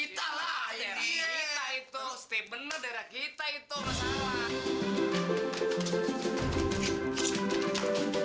darah kita itu stebener darah kita itu masalah